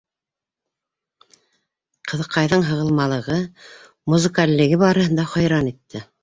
- Ҡыҙыҡайҙың һығылмалығы, музыкаллеге барыһын да хайран итте.